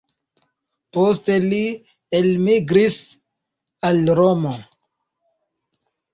Poste li elmigris al Romo.